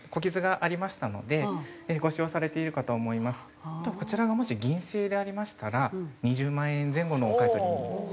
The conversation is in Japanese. あとこちらがもし銀製でありましたら２０万円前後のお買い取りになってまいります。